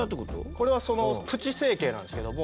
これはそのプチ整形なんですけども。